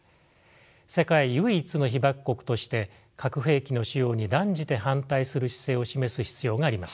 世界唯一の被爆国として核兵器の使用に断じて反対する姿勢を示す必要があります。